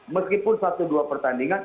meskipun satu dua pertandingan